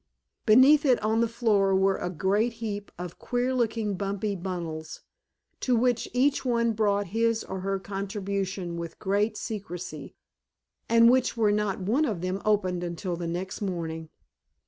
Beneath it on the floor were a great heap of queer looking bumpy bundles, to which each one brought his or her contribution with great secrecy, and which were not one of them opened until the next morning.